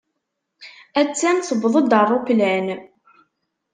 A-tt-an tewweḍ-d ṛṛuplan.